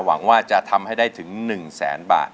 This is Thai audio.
หวังว่าจะทำให้ได้ถึง๑แสนบาท